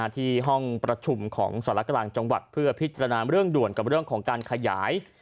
ที่ห้องประชุมของสารกลางจังหวัดเพื่อพิจารณาเรื่องด่วนกับเรื่องของการขยาย